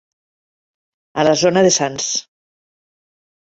A la zona de Sants.